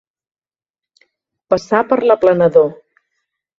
Passar per l'aplanador.